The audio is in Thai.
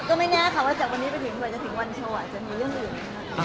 ก็ไม่แน่ค่ะว่าจะถึงวันโชว์จะมีเรื่องอื่นนะ